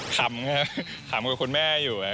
ขำครับขำกับคุณแม่อยู่